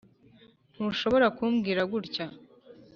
ntushobora kumbwira gutya.